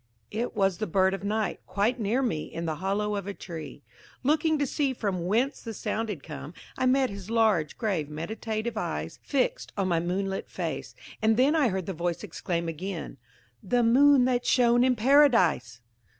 It was the Bird of Night, quite near me, in the hollow of a tree. Looking to see from whence the sound had come, I met his large, grave, meditative eyes fixed on my moonlit face, and then I heard the voice exclaim again–"The moon that shone in Paradise!"